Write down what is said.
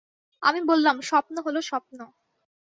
আমি বললাম, স্বপ্ন হল স্বপ্ন।